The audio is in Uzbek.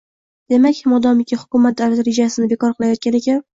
Demak, modomiki hukumat davlat rejasini bekor qilayotgan ekan